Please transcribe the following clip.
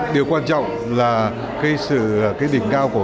điều quan trọng là sự đỉnh cao của quốc gia việt nam hàn quốc